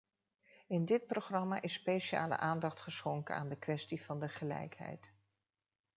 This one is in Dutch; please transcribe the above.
In dit programma is speciale aandacht geschonken aan de kwestie van de gelijkheid.